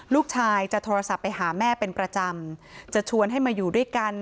ลูกชายจะโทรศัพท์ไปหาแม่เป็นประจำจะชวนให้มาอยู่ด้วยกัน